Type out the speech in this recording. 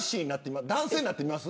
男性になってみます。